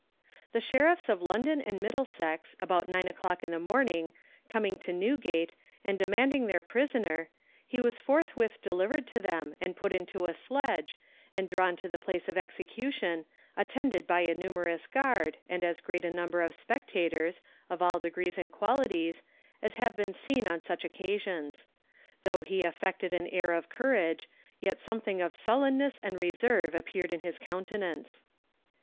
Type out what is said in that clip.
The Sheriffs of London and Middlesex, about nine o'clock in the morning, coming to Newgate, and demanding their prisoner, he was forthwith delivered to them, and put into a sledge, and drawn to the place of execution, attended by a numerous guard, and as great a number of spectators, of all degrees and qualities, as have been seen on such occasions. Tho' he affected an air of courage, yet something of sullenness and reserve appeared in his countenance.